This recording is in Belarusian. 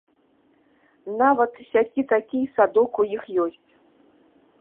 Нават сякі-такі й садок у іх ёсць.